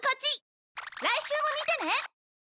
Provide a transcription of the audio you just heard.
来週も見てね！